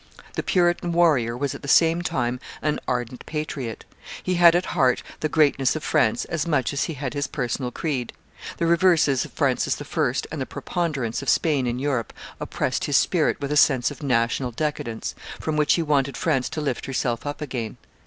The puritan warrior was at the same time an ardent patriot: he had at heart the greatness of France as much as he had his personal creed; the reverses of Francis I. and the preponderance of Spain in Europe oppressed his spirit with a sense of national decadence, from which he wanted France to lift herself up again.